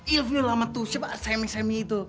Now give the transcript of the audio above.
ilmi lama tuh siapa asemi seminya itu